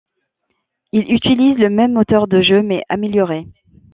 Il utilise le même moteur de jeu mais amélioré.